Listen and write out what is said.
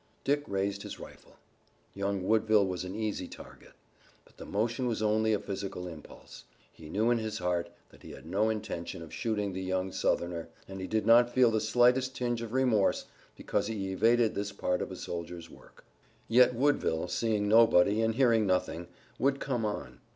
Dick raised his rifle. Young Woodville was an easy target. But the motion was only a physical impulse. He knew in his heart that he had no intention of shooting the young Southerner, and he did not feel the slightest tinge of remorse because he evaded this part of a soldier's work. Yet Woodville, seeing nobody and hearing nothing, would come on.